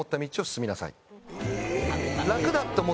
え！